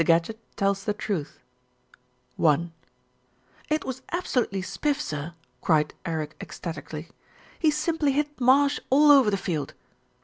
GADGETT TELLS THE TRUTH I "XT was absolutely spif, sir," cried Eric ecstatically. "He simply hit Marsh all over the field."